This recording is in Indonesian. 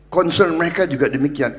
concern mereka juga demikian